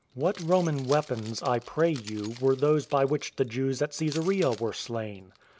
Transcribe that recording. What Roman weapons, I pray you, were those by which the Jews at Cesarea were slain?